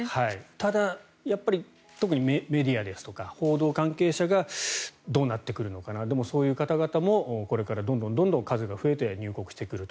ただ、メディアですとか報道関係者がどうなってくるのかそういう方々もこれから、どんどん数が増えて入国してくると。